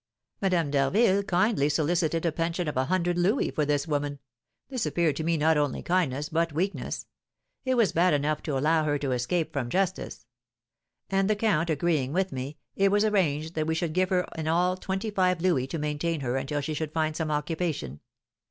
"Madame d'Harville kindly solicited a pension of a hundred louis for this woman: this appeared to me not only kindness, but weakness; it was bad enough to allow her to escape from justice; and the count agreeing with me, it was arranged that we should give her in all twenty five louis to maintain her until she should find some occupation.